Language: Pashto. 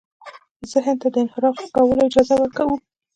ذهن ته د انحراف کولو اجازه ورکوو.